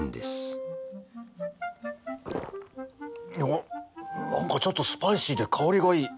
おお何かちょっとスパイシーで香りがいい！